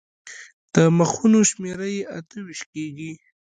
د مخونو شمېره یې اته ویشت کېږي.